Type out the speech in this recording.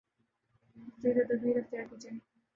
احتیاطی تدابیراختیار کی جائیں